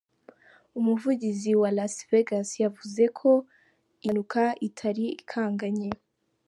Umuvugizi wa Las Vegas yavuze ko iyo mpanuka itari ikanganye.